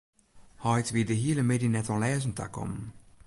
Heit wie de hiele middei net oan lêzen takommen.